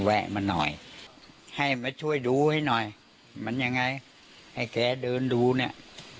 แวะมาหน่อยให้มาช่วยดูให้หน่อยมันยังไงให้แกเดินดูเนี่ย